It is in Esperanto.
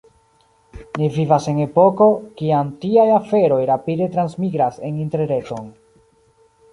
Ni vivas en epoko, kiam tiaj aferoj rapide transmigras en Interreton.